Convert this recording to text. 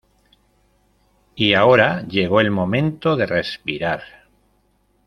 Y ahora llegó el momento de respirar.